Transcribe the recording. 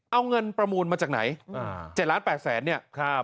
เอาเงินประมูลมาจากไหน๗ล้าน๘แสนเนี่ย